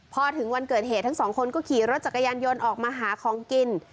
พอถึงวันเกิดเหตุทั้งสองคนก็ขี่รถจักรยานยนต์ออกมาหาของกิน